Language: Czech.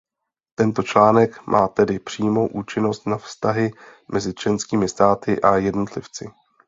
Tento článek má tedy přímou účinnost na vztahy mezi členskými státy a jednotlivci.